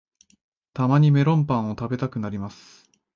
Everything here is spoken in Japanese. たまにメロンパンを食べたくなります